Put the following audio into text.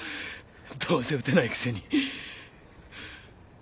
どうせ撃てないくせに。